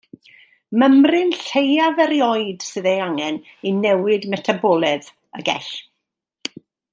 Mymryn lleiaf erioed sydd ei angen i newid metaboledd y gell.